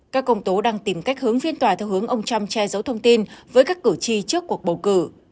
các công tố đang tìm cách hướng phiên tòa theo hướng ông trump che giấu thông tin với các cử tri trước cuộc bầu cử